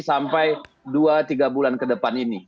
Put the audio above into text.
sampai dua tiga bulan ke depan ini